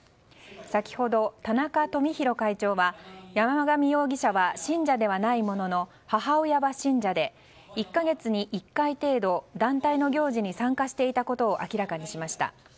先ほど田中富広会長は山上容疑者は信者ではないものの母親は信者で、１か月に１回程度団体の行事に参加していたことを明らかにしました。